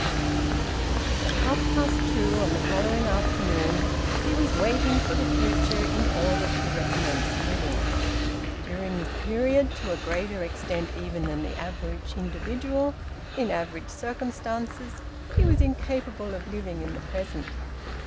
At half past two on the following afternoon he was waiting for the future in order to recommence living. During this period, to a greater extent even than the average individual in average circumstances, he was incapable of living in the present.